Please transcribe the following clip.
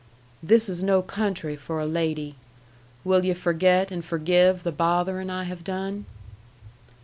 "This is no country for a lady. Will yu' forget and forgive the bothering I have done?"